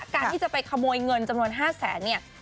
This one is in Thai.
การที่จะไปขโมยเงินจำนวน๕แสนเนี่ย